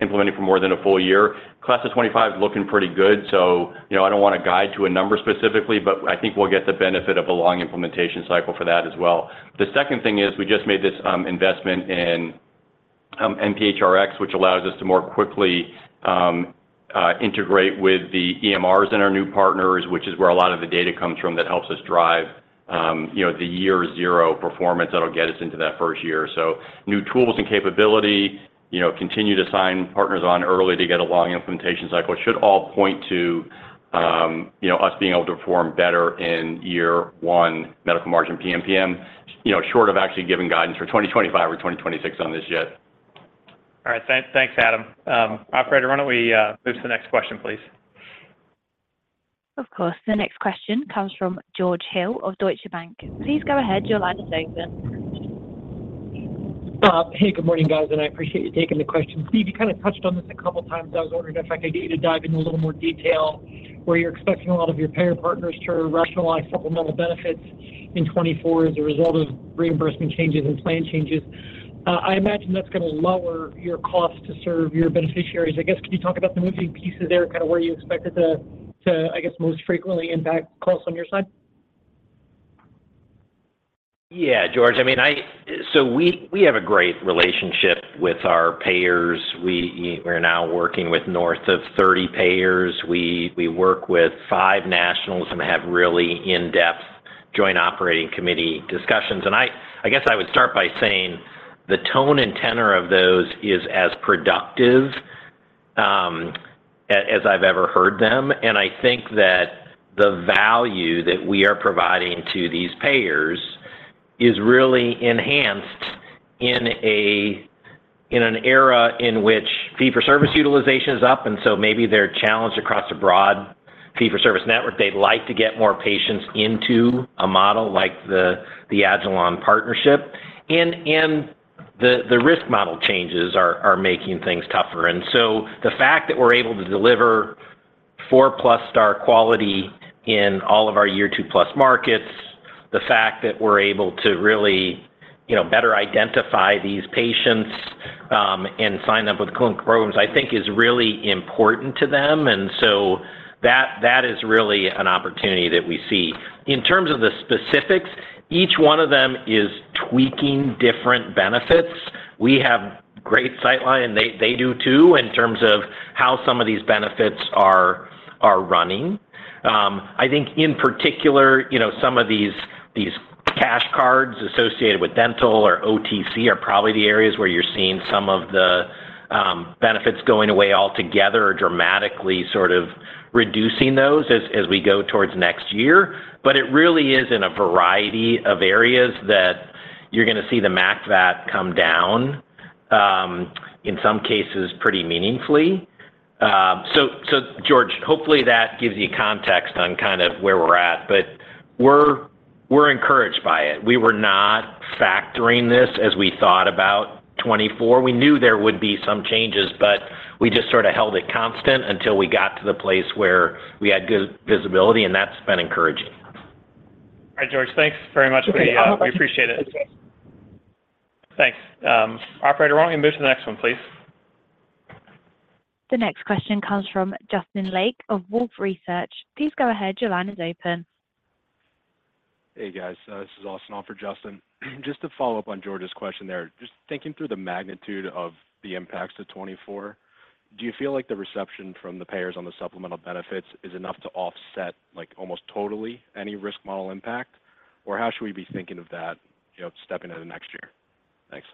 implementing for more than a full year. Class of 2025 is looking pretty good, so you know, I don't want to guide to a number specifically, but I think we'll get the benefit of a long implementation cycle for that as well. The second thing is, we just made this investment in mphrX, which allows us to more quickly integrate with the EMRs in our new partners, which is where a lot of the data comes from that helps us drive, you know, the year zero performance that'll get us into that first year. New tools and capability, you know, continue to sign partners on early to get a long implementation cycle, should all point to, you know, us being able to perform better in year one, medical margin PMPM, you know, short of actually giving guidance for 2025 or 2026 on this yet. All right, thanks, thanks, Adam. Operator, why don't we move to the next question, please? Of course. The next question comes from George Hill of Deutsche Bank. Please go ahead, your line is open. Hey, good morning, guys. I appreciate you taking the question. Steve, you kind of touched on this a couple of times. I was wondering if I could get you to dive into a little more detail, where you're expecting a lot of your payer partners to rationalize supplemental benefits in 2024 as a result of reimbursement changes and plan changes. I imagine that's going to lower your cost to serve your beneficiaries. I guess, can you talk about the moving pieces there, kind of where you expect it to, to, I guess, most frequently impact costs on your side? Yeah, George, I mean, we, we have a great relationship with our payers. We, we're now working with north of 30 payers. We, we work with five nationals and have really in-depth joint operating committee discussions. I, I guess I would start by saying the tone and tenor of those is as productive as I've ever heard them. I think that the value that we are providing to these payers is really enhanced in a, in an era in which fee-for-service utilization is up, maybe they're challenged across a broad fee-for-service network. They'd like to get more patients into a model like the, the agilon partnership, the, the risk model changes are, are making things tougher. The fact that we're able to deliver 4+ star quality in all of our year 2+ markets, the fact that we're able to really, you know, better identify these patients, and sign them with clinical programs, I think is really important to them. That, that is really an opportunity that we see. In terms of the specifics, each one of them is tweaking different benefits. We have great sightline, and they, they do, too, in terms of how some of these benefits are, are running. I think in particular, you know, some of these, these cash cards associated with dental or OTC are probably the areas where you're seeing some of the benefits going away altogether or dramatically sort of reducing those as, as we go towards next year. It really is in a variety of areas that you're gonna see the medical margin come down, in some cases, pretty meaningfully. George, hopefully that gives you context on kind of where we're at, but we're, we're encouraged by it. We were not factoring this as we thought about 2024. We knew there would be some changes, but we just sort of held it constant until we got to the place where we had good visibility, and that's been encouraging. All right, George, thanks very much for the, appreciate it. Thanks. operator, why don't we move to the next one, please? The next question comes from Justin Lake of Wolfe Research. Please go ahead. Your line is open. Hey, guys, this is Austin on for Justin. Just to follow up on George's question there. Just thinking through the magnitude of the impacts to 2024, do you feel like the reception from the payers on the supplemental benefits is enough to offset, like, almost totally any risk model impact? Or how should we be thinking of that, you know, stepping into the next year? Thanks.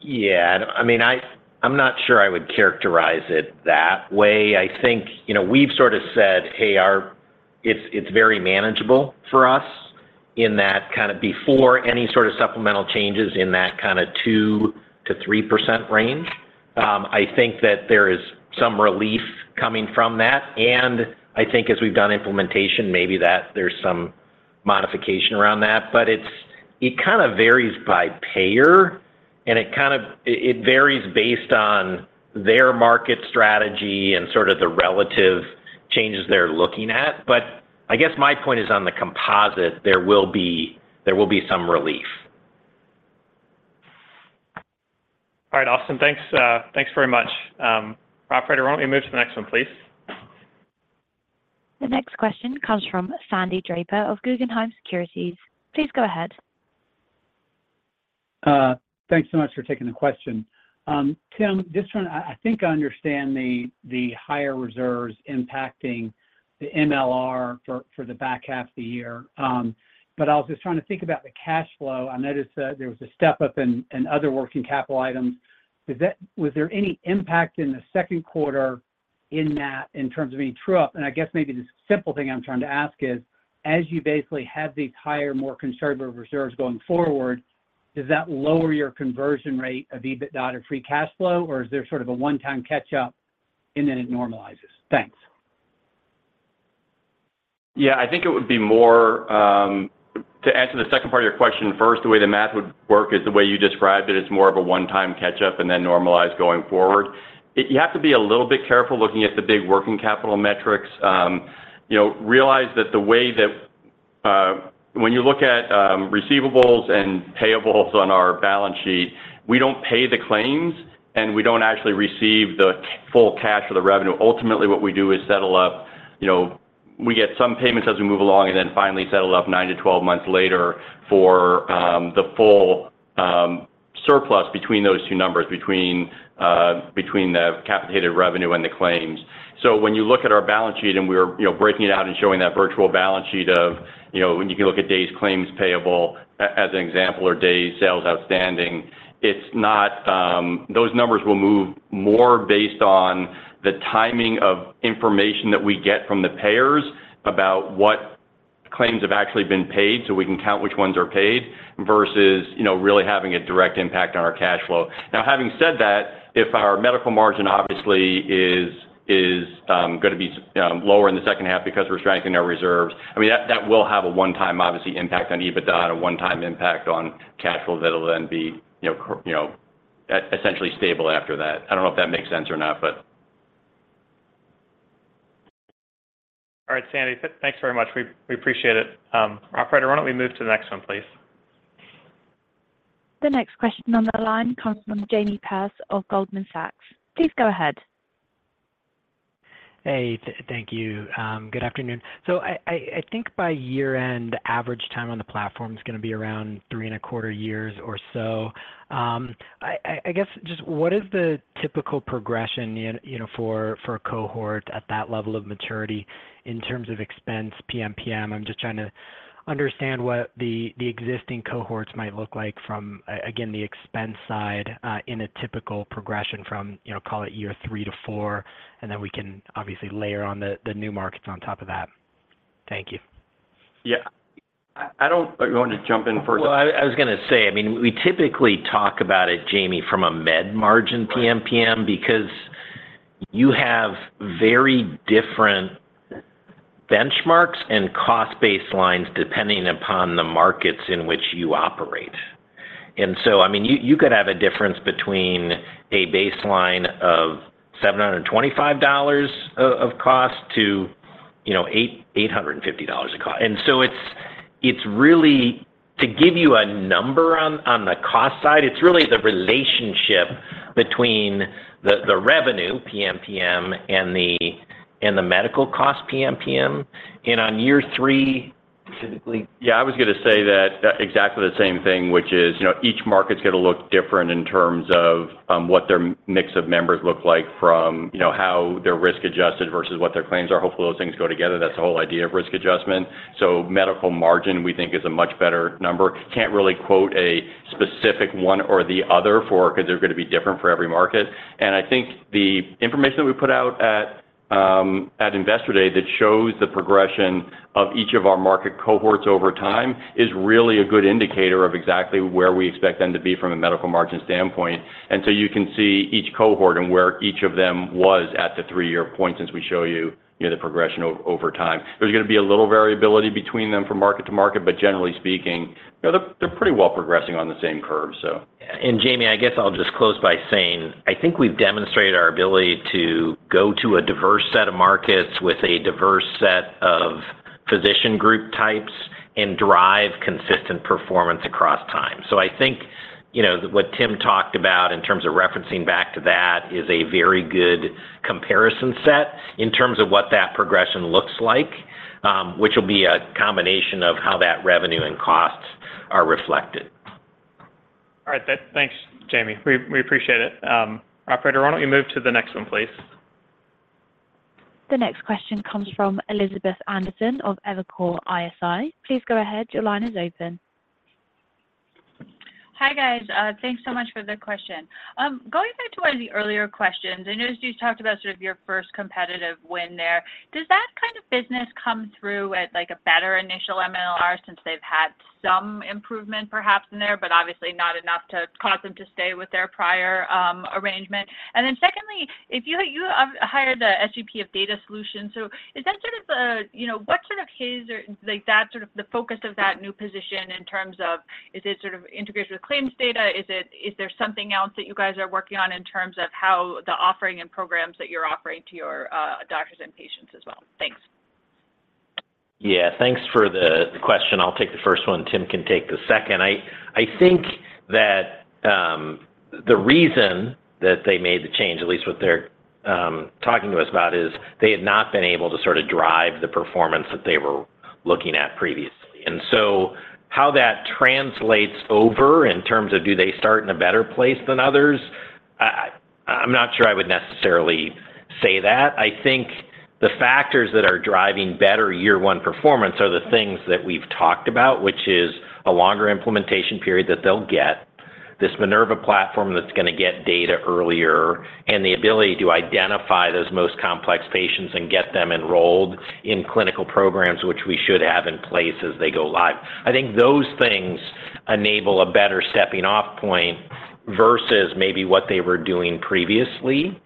Yeah, I mean, I'm not sure I would characterize it that way. I think, you know, we've sort of said, hey, our—it's, it's very manageable for us in that kind of before any sort of supplemental changes in that kind of 2%-3% range. I think that there is some relief coming from that, and I think as we've done implementation, maybe that there's some modification around that. It kind of varies by payer, and it kind of varies based on their market strategy and sort of the relative changes they're looking at. I guess my point is on the composite, there will be, there will be some relief. All right, Austin, thanks, thanks very much. Operator, why don't we move to the next one, please? The next question comes from Sandy Draper of Guggenheim Securities. Please go ahead. Thanks so much for taking the question. Tim, I think I understand the higher reserves impacting the MLR for the back half of the year, I was just trying to think about the cash flow. I noticed that there was a step up in other working capital items. Was there any impact in the second quarter in that, in terms of any true-up? I guess maybe the simple thing I'm trying to ask is, as you basically have these higher, more conservative reserves going forward, does that lower your conversion rate of EBITDA to free cash flow, or is there sort of a one-time catch-up, and then it normalizes? Thanks. Yeah, I think it would be more. To answer the second part of your question first, the way the math would work is the way you described it. It's more of a one-time catch-up and then normalize going forward. You have to be a little bit careful looking at the big working capital metrics. You know, realize that the way that, when you look at receivables and payables on our balance sheet, we don't pay the claims, and we don't actually receive the full cash or the revenue. Ultimately, what we do is settle up. You know, we get some payments as we move along, and then finally settle up nine to 12 months later for the full surplus between those two numbers, between the capitated revenue and the claims. When you look at our balance sheet and we're, you know, breaking it out and showing that virtual balance sheet of, you know, when you can look at days claims payable, as an example, or day sales outstanding, it's not. Those numbers will move more based on the timing of information that we get from the payers about what claims have actually been paid, so we can count which ones are paid, versus, you know, really having a direct impact on our cash flow. Having said that, if our medical margin obviously is, is going to be lower in the second half because we're strengthening our reserves, I mean, that, that will have a one-time obviously impact on EBITDA, and a one-time impact on cash flow that'll then be, you know, essentially stable after that. I don't know if that makes sense or not. All right, Sandy, thanks very much. We, we appreciate it. Operator, why don't we move to the next one, please? The next question on the line comes from Jamie Perse of Goldman Sachs. Please go ahead. Hey, thank you. Good afternoon. I, I, I think by year-end, average time on the platform is gonna be around three and a quarter years or so. I, I, I guess, just what is the typical progression, you know, for a cohort at that level of maturity in terms of expense, PMPM? I'm just trying to understand what the existing cohorts might look like from again, the expense side, in a typical progression from, you know, call it year three to four, and then we can obviously layer on the new markets on top of that. Thank you. Yeah. I, I don't— Do you want to jump in first? Well, I, I was gonna say, I mean, we typically talk about it, Jamie, from a med margin PMPM— Right. —because you have very different benchmarks and cost baselines depending upon the markets in which you operate. I mean, you, you could have a difference between a baseline of $725 of, of cost to, you know, $850 of cost. It's, it's really, to give you a number on, on the cost side, it's really the relationship between the, the revenue PMPM and the, and the medical cost PMPM. On year three, typically... Yeah, I was gonna say that, exactly the same thing, which is, you know, each market's gonna look different in terms of, what their mix of members look like from, you know, how they're risk adjusted versus what their claims are. Hopefully, those things go together. That's the whole idea of risk adjustment. Medical margin, we think, is a much better number. Can't really quote a specific one or the other because they're gonna be different for every market. I think the information that we put out at, at Investor Day, that shows the progression of each of our market cohorts over time, is really a good indicator of exactly where we expect them to be from a medical margin standpoint. You can see each cohort and where each of them was at the three-year point, since we show you, you know, the progression over time. There's gonna be a little variability between them from market to market, but generally speaking, you know, they're, they're pretty well progressing on the same curve. Jamie, I guess I'll just close by saying, I think we've demonstrated our ability to go to a diverse set of markets with a diverse set of physician group types and drive consistent performance across time. I think, you know, what Tim talked about in terms of referencing back to that, is a very good comparison set in terms of what that progression looks like, which will be a combination of how that revenue and costs are reflected. All right. thanks, Jamie. We appreciate it. operator, why don't you move to the next one, please? The next question comes from Elizabeth Anderson of Evercore ISI. Please go ahead, your line is open. Hi, guys, thanks so much for the question. Going back to one of the earlier questions, I noticed you talked about sort of your first competitive win there. Does that kind of business come through at, like, a better initial MLR, since they've had some improvement perhaps in there, but obviously not enough to cause them to stay with their prior arrangement? Secondly, if you, you, hired a SVP of Data Solutions, is that sort of the, you know, what sort of his or, like, that sort of, the focus of that new position in terms of, is it sort of integration with claims data? Is there something else that you guys are working on in terms of how the offering and programs that you're offering to your doctors and patients as well? Thanks. Yeah. Thanks for the, the question. I'll take the first one, Tim can take the second. I, I think that, the reason that they made the change, at least what they're, talking to us about, is they had not been able to sort of drive the performance that they were looking at previously. So how that translates over in terms of, do they start in a better place than others? I, I, I'm not sure I would necessarily say that. I think the factors that are driving better year one performance are the things that we've talked about, which is a longer implementation period that they'll get. This Minerva platform that's gonna get data earlier, and the ability to identify those most complex patients and get them enrolled in clinical programs, which we should have in place as they go live. I think those things enable a better stepping-off point versus maybe what they were doing previously.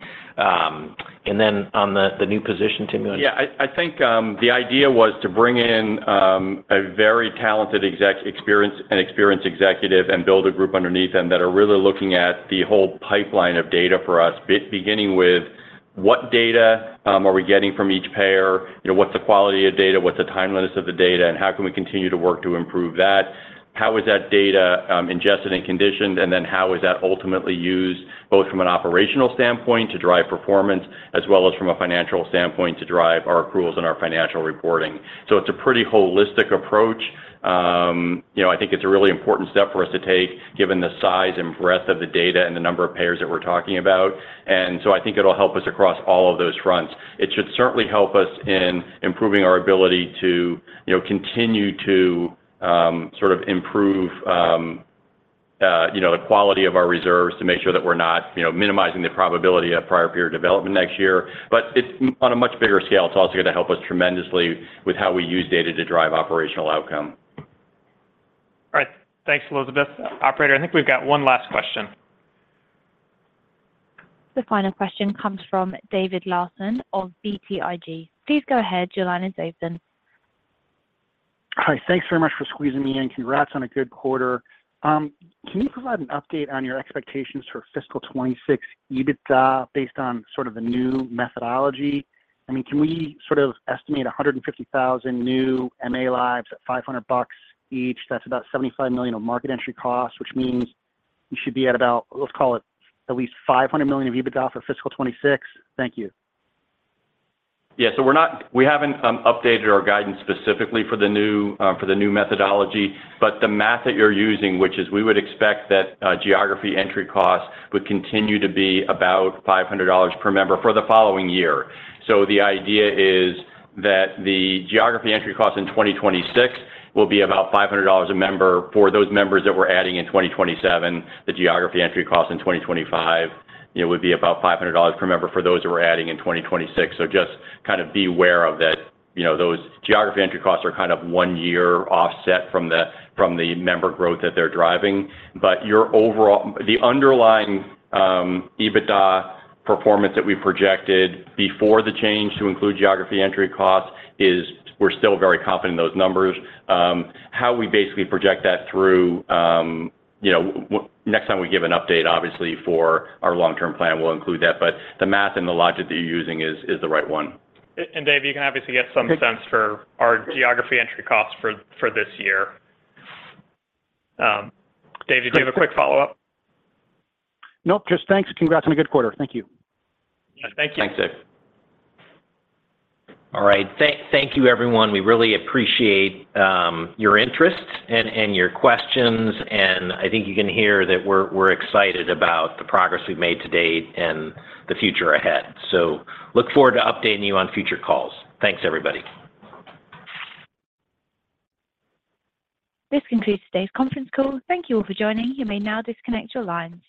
Then on the, the new position, Tim, you wanna— Yeah. I, I think, the idea was to bring in a very talented exec an experienced executive and build a group underneath them, that are really looking at the whole pipeline of data for us. Beginning with, what data are we getting from each payer? You know, what's the quality of data? What's the timeliness of the data, and how can we continue to work to improve that? How is that data ingested and conditioned, and then how is that ultimately used, both from an operational standpoint to drive performance, as well as from a financial standpoint to drive our approvals and our financial reporting? It's a pretty holistic approach. You know, I think it's a really important step for us to take, given the size and breadth of the data and the number of payers that we're talking about. I think it'll help us across all of those fronts. It should certainly help us in improving our ability to, you know, continue to sort of improve, you know, the quality of our reserves to make sure that we're not, you know, minimizing the probability of prior period development next year. It's on a much bigger scale. It's also going to help us tremendously with how we use data to drive operational outcome. All right. Thanks, Elizabeth. Operator, I think we've got one last question. The final question comes from David Larsen of BTIG. Please go ahead, your line is open. Hi. Thanks very much for squeezing me in. Congrats on a good quarter. Can you provide an update on your expectations for fiscal 2026 EBITDA based on sort of the new methodology? I mean, can we sort of estimate 150,000 new MA lives at $500 each? That's about $75 million of market entry costs, which means you should be at about, let's call it, at least $500 million of EBITDA for fiscal 2026. Thank you. Yeah. We're not—we haven't updated our guidance specifically for the new, for the new methodology, but the math that you're using, which is we would expect that geography entry costs would continue to be about $500 per member for the following year. The idea is that the geography entry costs in 2026 will be about $500 a member. For those members that we're adding in 2027, the geography entry costs in 2025, you know, would be about $500 per member for those that we're adding in 2026. Just kind of be aware of that, you know, those geography entry costs are kind of one year offset from the, from the member growth that they're driving. Your overall the underlying EBITDA performance that we projected before the change to include geography entry costs is we're still very confident in those numbers. How we basically project that through, you know, next time we give an update, obviously, for our long-term plan, we'll include that. The math and the logic that you're using is, is the right one. Dave, you can obviously get some sense for our geography entry costs for, for this year. Dave, did you have a quick follow-up? Nope, just thanks. Congrats on a good quarter. Thank you. Thank you. Thanks, Dave. All right. Thank you, everyone. We really appreciate your interest and your questions, and I think you can hear that we're excited about the progress we've made to date and the future ahead. Look forward to updating you on future calls. Thanks, everybody. This concludes today's conference call. Thank you all for joining. You may now disconnect your lines.